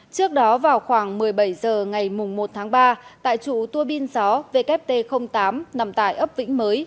trước đó vào khoảng một mươi bảy h ngày một tháng ba tại chủ tua pin gió wt tám nằm tại ấp vĩnh mới